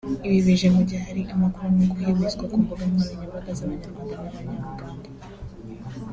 Ibi bije mu gihe hari amakuru arimo guhwihwiswa ku mbuga nkoranyambaga z’abanyarwanda n’abanya Uganda